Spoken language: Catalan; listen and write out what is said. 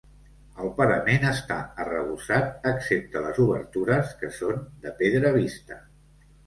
El parament està arrebossat excepte les obertures que són de pedra vista.